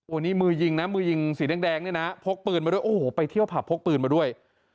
อันนี้มือยิงนะมือยิงสีแดงเนี่ยนะพกปืนมาด้วยโอ้โหไปเที่ยวผับพกปืนมาด้วย